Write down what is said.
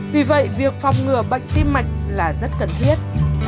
vì vậy việc phòng ngừa bệnh tim mạch là rất cần thiết